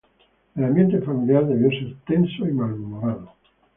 El ambiente familiar debió ser tenso y malhumorado.